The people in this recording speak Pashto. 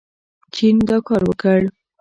چین دا کار وکړ.